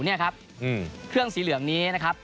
นี่ครับเครื่องสีเหลืองนี้นะครับ